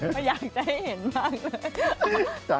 ไม่อยากจะให้เห็นมากเลย